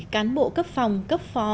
cán bộ cấp phòng cấp phó